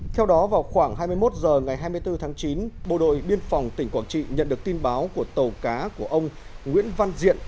theo đó vào khoảng hai mươi một h ngày hai mươi bốn tháng chín bộ đội biên phòng tỉnh quảng trị nhận được tin báo của tàu cá của ông nguyễn văn diện